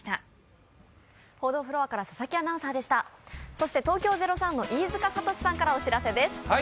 そして東京０３の飯塚悟志さんからお知らせです。